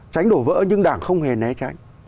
tránh đổ vỡ nhưng đảng không hề né tránh